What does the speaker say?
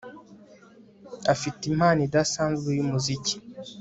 Afite impano idasanzwe yumuziki